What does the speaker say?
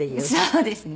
そうですね。